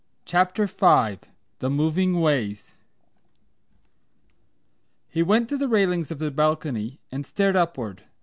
CHAPTER V THE MOVING WAYS He went to the railings of the balcony and stared upward.